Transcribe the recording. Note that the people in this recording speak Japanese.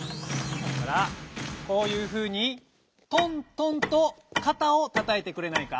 だからこういうふうに「とんとん」とかたをたたいてくれないか？